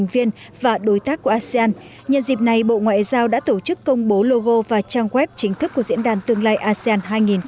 về những đặc trưng và điểm nhấn của diễn đàn tương lai asean hai nghìn hai mươi bốn